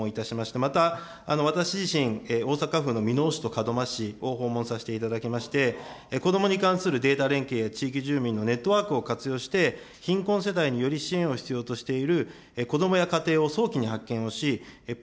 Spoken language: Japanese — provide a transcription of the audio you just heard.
また私自身、大阪府の箕面市と門真市を訪問させていただきまして、子どもに関するデータ連携、地域住民のネットワークを活用して、貧困世代により、支援を必要としている子どもや家庭を早期に発見をし、プッ